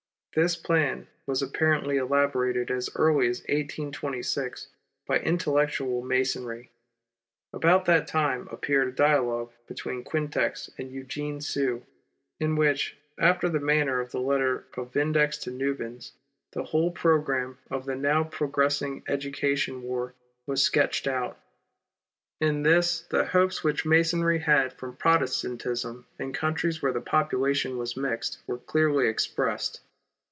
This plan was elaborated as early, I think, as 1826, by intellectual Masonry, About that time appeared a dialogue between Quinet and Eugene Sue, in which after the manner of the letter of Vindex to Nubius the whole programme of the now progressing education war was sketched out. In this the hopes which Masonry had from Protestantism in countries where the population was mixed, were clearly expressed.